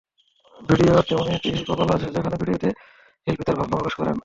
Video art তেমনই একটি শিল্পকলা, যেখানে ভিডিওতে শিল্পী তাঁর ভাবনা প্রকাশ করেন।